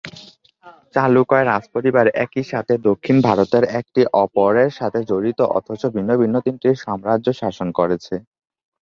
চালুকয় রাজপরিবার একই সাথে দক্ষিণ ভারতের একে অপরের সাথে জড়িত অথচ ভিন্ন ভিন্ন তিনটি সম্রাজ্য শাসন করেছে।